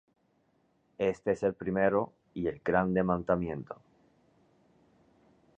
Este es el primero y el grande mandamiento.